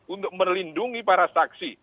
untuk melindungi para saksi